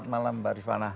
selamat malam mbak rifana